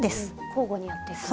交互にやっていくんだ。